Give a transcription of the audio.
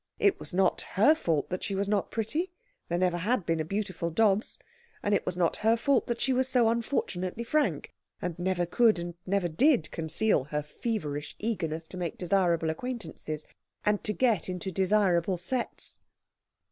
It was not her fault that she was not pretty there never had been a beautiful Dobbs and it was not her fault that she was so unfortunately frank, and never could and never did conceal her feverish eagerness to make desirable acquaintances, and to get into desirable sets.